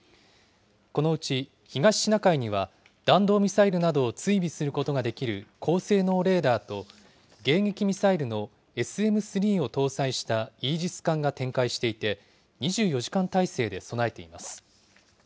このうち、東シナ海には弾道ミサイルなどを追尾することができる高性能レーダーと、迎撃ミサイルのＳＭ３を搭載したイージス艦が展開していて、２４時間態勢で備えています。